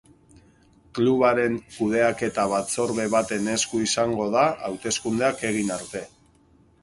Klubaren kudeaketa batzorde baten esku izango da hauteskundeak egin arte.